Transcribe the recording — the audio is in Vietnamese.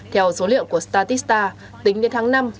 theo số liệu của statista tính đến tháng năm năm hai nghìn hai mươi ba